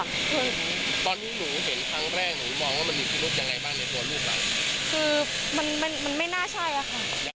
ตอนที่หนูเห็นครั้งแรกหนูมองว่ามีธุรกิจยังไงบ้างในตัวลูกเรา